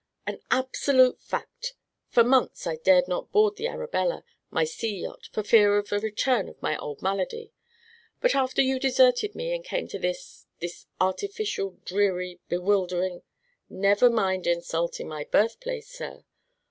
"An absolute fact. For months I dared not board the Arabella, my sea yacht, for fear of a return of my old malady; but after you deserted me and came to this this artificial, dreary, bewildering " "Never mind insulting my birthplace, sir!"